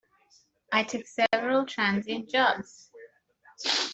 I took several transient jobs.